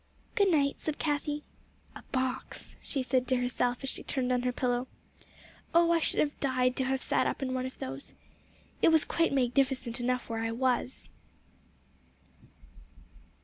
"Good night," said Cathie. "A box!" she said to herself, as she turned on her pillow, "oh, I should have died to have sat up in one of those. It was quite magnificent enough where I was."